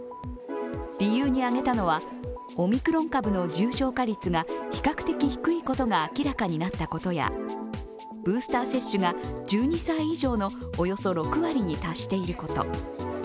理由に挙げたのは、オミクロン株の重症化率が比較的低いことが明らかになったことやブースター接種が１２歳以上のおよそ６割に達していること。